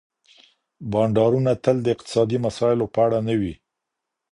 بانډارونه تل د اقتصادي مسايلو په اړه نه وي.